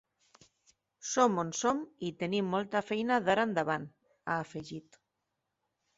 Som on som i tenim molta feina d’ara endavant, ha afegit.